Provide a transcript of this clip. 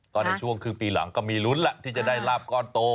ก็ในช่วงครึ่งปีหลังก็มีลุ้นแหละที่จะได้ลาบก้อนโต